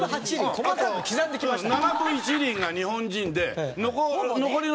細かく刻んできましたね。